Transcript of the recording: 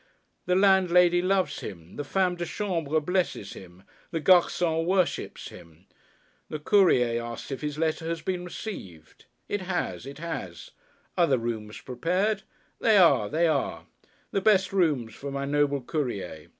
The landlady loves him, the femme de chambre blesses him, the garçon worships him. The Courier asks if his letter has been received? It has, it has. Are the rooms prepared? They are, they are. The best rooms for my noble Courier.